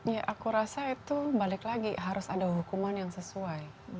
ya aku rasa itu balik lagi harus ada hukuman yang sesuai